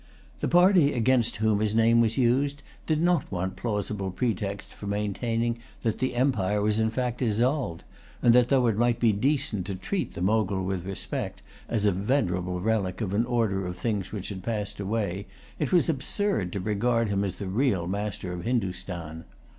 The party against whom his name was used did not want plausible pretexts for maintaining that the empire was in fact dissolved, and that though it might be decent to treat the Mogul with respect, as a venerable relic of an order of things which had passed away, it was absurd to regard him as the real master of Hindostan.